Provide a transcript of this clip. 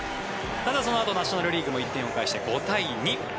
ただそのあとナショナル・リーグも１点を返して５対２。